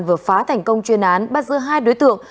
vừa phá thành công chuyên án bắt giữ hai đối tượng